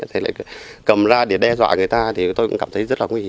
thì lại cầm ra để đe dọa người ta thì tôi cũng cảm thấy rất là